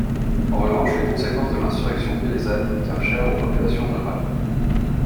En revanche, les conséquences de l'insurrection paysanne coûtèrent chères aux populations rurales.